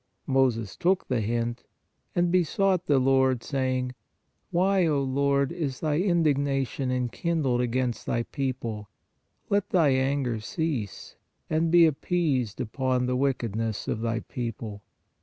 Moses took the hint and " be POWER OF PRAYER 33 sought the Lord, saying : Why, O Lord, is thy indig nation enkindled against Thy people? ... Let Thy anger cease, and be appeased upon the wicked ness of Thy people.